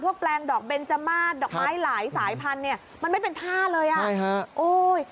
พวกแปลงดอกเบนเจอร์มาสดอกไม้หลายสายพันธุ์มันไม่เป็นท่าเลย